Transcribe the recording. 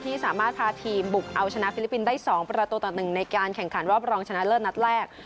สามารถพาทีมบุกเอาชนะฟิลิปปินส์ได้๒ประตูต่อ๑ในการแข่งขันรอบรองชนะเลิศนัดแรก